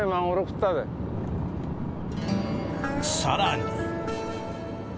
更に。